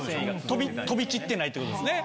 飛び散ってないって事ですね。